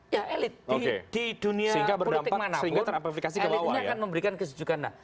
ya elit di dunia politik manapun elit ini akan memberikan kesejukan